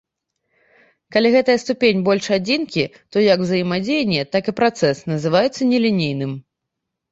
Калі гэтая ступень больш адзінкі, то як узаемадзеянне, так і працэс называюцца нелінейным.